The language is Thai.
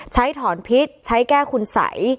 ใช้ถอนพิษใช้แก้ขุนใส